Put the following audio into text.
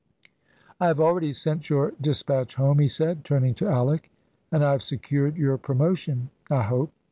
"I have already sent your despatch home," he said, turning to Alick, "and I have secured your promotion, I hope.